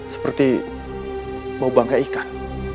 seperti bau bangka ikan